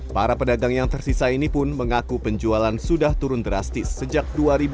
para pedagang yang tersisa ini pun mengaku penjualan sudah turun drastis sejak dua ribu dua